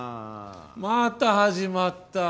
また始まった。